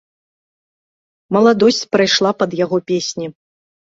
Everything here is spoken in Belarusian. Маладосць прайшла пад яго песні.